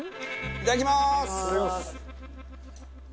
いただきます。